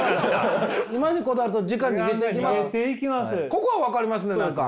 ここは分かりますね何か。